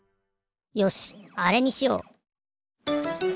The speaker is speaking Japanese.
よしあれにしよう。